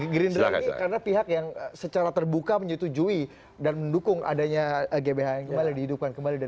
gerindra ini karena pihak yang secara terbuka menyetujui dan mendukung adanya gbhn kembali dihidupkan kembali